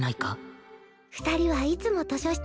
２人はいつも図書室にいるの？